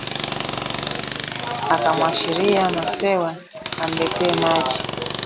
Akamwashiria Masewa amletee maji